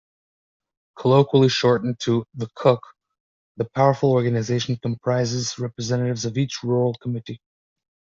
Colloquially shortened to 'the Kuk', the powerful organisation comprises representatives of each rural committee.